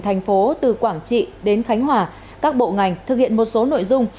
thành phố từ quảng trị đến khánh hòa các bộ ngành thực hiện một số nội dung